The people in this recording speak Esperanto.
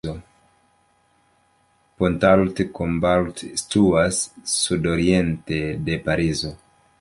Pontault-Combault situas sudoriente de Parizo.